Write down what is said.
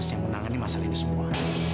yang menangani masalah ini semua